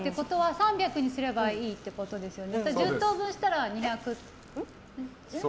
３００にすればいいってことですよね。